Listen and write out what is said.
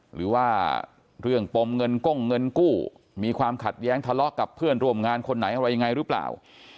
หรือว่าเรื่องปมเงินก้งเงินกู้มีความขัดแย้งทะเลาะกับเพื่อนร่วมงานคนไหนอะไรยังไงหรือเปล่า